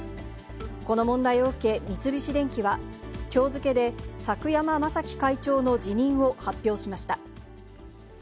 この問題を受け、三菱電機は、きょう付けで柵山正樹会長の辞任を発表しました。